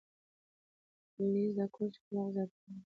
مېز د کور ښکلا زیاتوي.